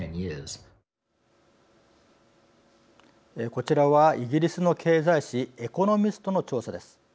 こちらはイギリスの経済誌「エコノミスト」の調査です。